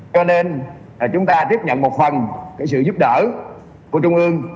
cho nên chúng ta tiếp nhận một phần sự giúp đỡ của trung ương